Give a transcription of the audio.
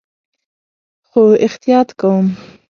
خو احتیاط کوم